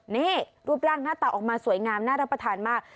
นี่รูปร่างหน้าตาออกมาสวยงามน่ารับประทานมาก